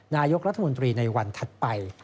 นายกรัฐมนตรีในวันถัดไป